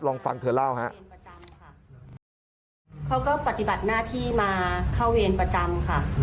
ลองฟังเธอเล่าฮะประจำค่ะเขาก็ปฏิบัติหน้าที่มาเข้าเวรประจำค่ะ